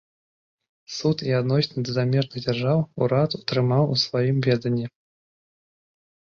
Суд і адносіны да замежных дзяржаў урад утрымаў у сваім веданні.